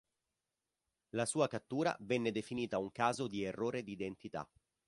La sua cattura venne definita un caso di errore di identità.